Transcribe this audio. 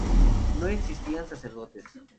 No existían sacerdotes.